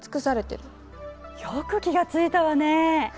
よく気が付いたわね。